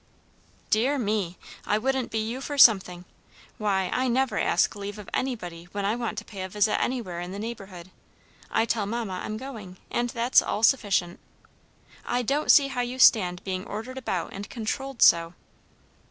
"Dear me! I wouldn't be you for something. Why, I never ask leave of anybody when I want to pay a visit anywhere in the neighborhood. I tell mamma I'm going, and that's all sufficient. I don't see how you stand being ordered about and controlled so."